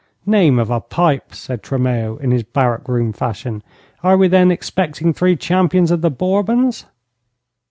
'Name of a pipe!' said Tremeau, in his barrack room fashion. 'Are we then expecting three champions of the Bourbons?'